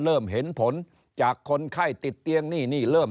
เริ่มเห็นผลจากคนไข้ติดเตียงนี่